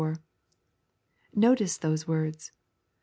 Notice those words.